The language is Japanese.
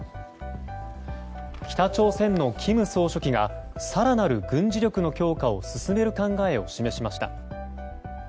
北朝鮮の金総書記が更なる軍事力の強化を進める考えを示しました。